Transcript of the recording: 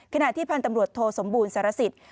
ขณะที่พันธ์ตำรวจโทสมบูรณสารสิทธิ์